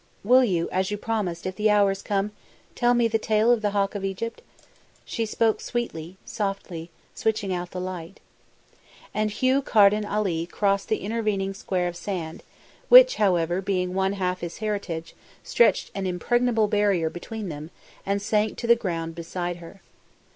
"Will you, as you promised, if the hour is come, tell me the tale of the Hawk of Egypt?" She spoke sweetly, softly, switching out the light. And Hugh Carden Ali crossed the intervening square of sand, which, however, being one half his heritage, stretched an impregnable barrier between them, and sank to the ground beside her.